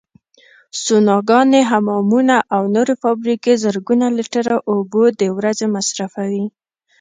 سوناګانې، حمامونه او نورې فابریکې زرګونه لیتره اوبو د ورځې مصرفوي.